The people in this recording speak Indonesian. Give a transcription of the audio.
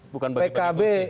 bukan bagi bagi pkb